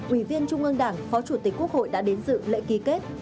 ủy viên trung ương đảng phó chủ tịch quốc hội đã đến dự lễ ký kết